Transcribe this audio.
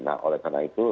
nah oleh karena itu